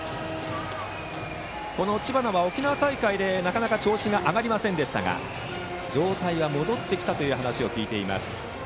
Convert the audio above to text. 知花は、沖縄大会でなかなか調子が上がりませんでしたが状態は戻ってきたという話を聞いています。